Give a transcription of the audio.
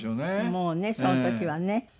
もうねその時はね。